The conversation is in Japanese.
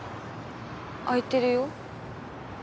空いてるよ